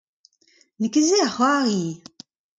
N'eo ket se ar c'hoari!